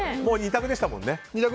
２択でしたもんね。